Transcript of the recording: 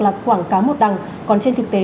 là quảng cáo một đằng còn trên thực tế